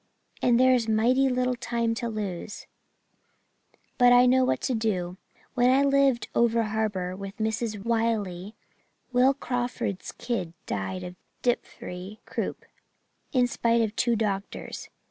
'And there's mighty little time to lose but I know what to do. When I lived over harbour with Mrs. Wiley, years ago, Will Crawford's kid died of dipthery croup, in spite of two doctors.